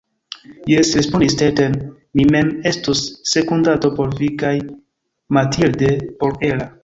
Jes, respondis Stetten, mi mem estos sekundanto por vi, kaj Mathilde por Ella.